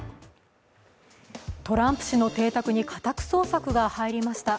トランプ氏の邸宅に家宅捜索が入りました。